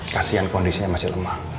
kasian kondisinya masih lemah